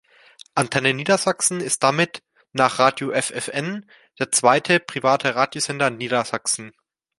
Antenne Niedersachsen ist damit nach Radio ffn der zweite private Radiosender in Niedersachsen.